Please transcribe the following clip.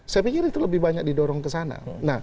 saya pikir itu lebih banyak didorong ke sana